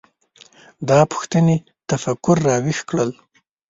دا پوښتنې تفکر راویښ کړل.